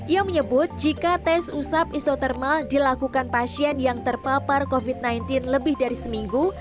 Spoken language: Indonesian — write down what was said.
ia menyebut jika tes usap isotermal dilakukan pasien yang terpapar covid sembilan belas lebih dari seminggu